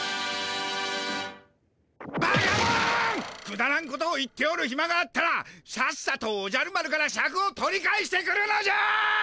くだらんことを言っておるひまがあったらさっさとおじゃる丸からシャクを取り返してくるのじゃ！